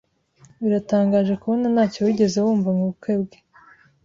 Biratangaje kubona ntacyo wigeze wumva mubukwe bwe.